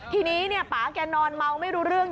ทีนี้ป่าแกนอนเมาไม่รู้เรื่อง